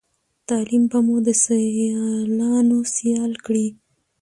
تعليم به مو د سیالانو سيال کړی